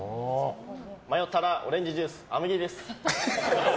迷ったらオレンジジュースあむぎりです。